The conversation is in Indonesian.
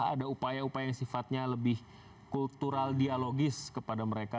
ada upaya upaya yang sifatnya lebih kultural dialogis kepada mereka